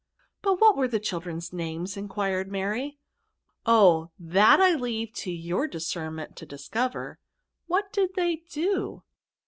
" But what were the children's names? enquired Mary. y£RB». 277 Oh ! that I leave to your discernment to discover. What did they do